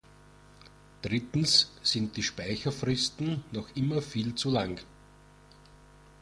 Drittens sind die Speicherfristen noch immer viel zu lang.